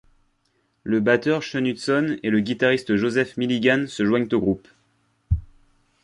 Le batteur Sean Hutson et le guitariste Joseph Milligan se joignent au groupe.